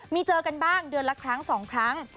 มีเจอกันบ้างเดือนละครั้ง๒ครั้ง